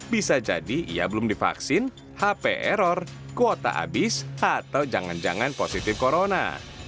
bisa jadi ia belum divaksin hp error kuota habis atau jangan jangan positif corona